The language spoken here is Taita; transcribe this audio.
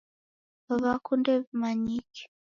W'akunde w'imanyike